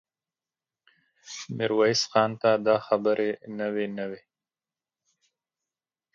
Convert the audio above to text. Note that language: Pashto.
ميرويس خان ته دا خبرې نوې نه وې.